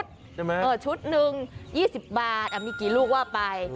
ใช่ไหมชุดหนึ่ง๒๐บาทมีกี่ลูกว่าไป